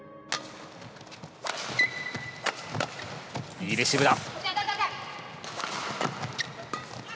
いいレシーブだ。